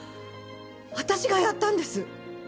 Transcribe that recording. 私がやったんです。